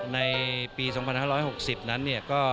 ในปี๒๕๖๐นั้น